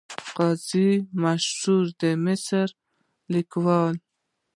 قاضي د مشهور مصري لیکوال .